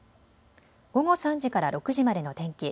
午後３時から６時までの天気。